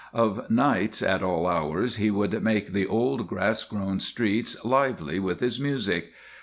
Of nights at all hours he would make the old grass grown streets lively with his music.